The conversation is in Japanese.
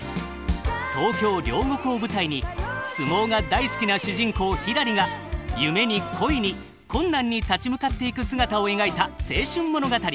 東京・両国を舞台に相撲が大好きな主人公ひらりが夢に恋に困難に立ち向かっていく姿を描いた青春物語！